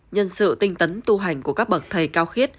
nhân sự tinh tấn tu hành của các bậc thầy cao khiết